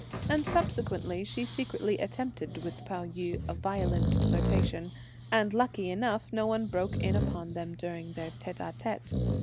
And subsequently she secretly attempted with Pao yü a violent flirtation, and lucky enough no one broke in upon them during their tête à tête.